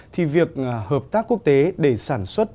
thì việc hợp tác quốc tế để sản xuất